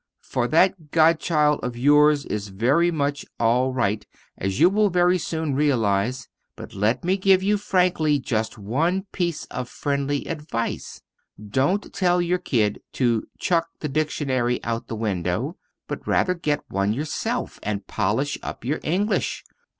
For that godchild of yours is very much all right, as you will very soon realize. But let me give you frankly just one piece of friendly advice; don't tell your kid to 'chuck the dictionary out of the window,' but rather get one yourself, and polish up your English.